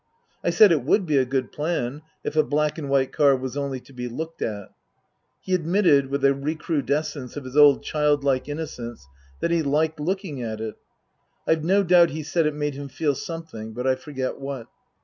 I said it would be a good plan, if a black and white car was only to be looked at. He admitted (with a recrudescence of his old childlike innocence) that he liked looking at it. I've no doubt he said it made him feel something, but I forget what.